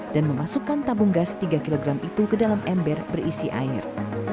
dan memasukkan tabung gas tiga kg itu ke dalam ember berisi air